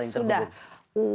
semua sudah saling terhubung